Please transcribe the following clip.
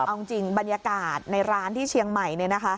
เอาจริงบรรยากาศในร้านที่เชียงใหม่